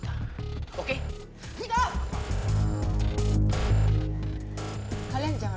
tunggu waktu cepet di bawah